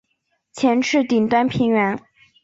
前翅顶端平圆。